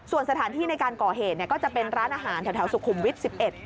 ส่วนสถานที่ในการก่อเหตุเนี่ยก็จะเป็นร้านอาหารแถวสุขุมวิทย์๑๑